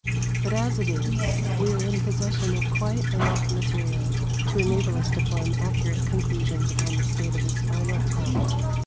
But as it is we are in possession of quite enough material to enable us to form accurate conclusions upon the state of his final thought.